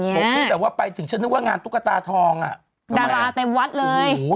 ไม่บอกแบบวันแน่อ๋อวันนั้นพี่หนุ่มไม่ได้มา